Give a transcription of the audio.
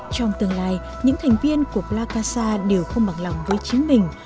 trong tương lai những thành viên của plakasa đều không bằng lòng với chính mình